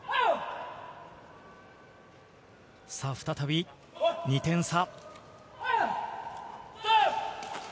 再び２点差。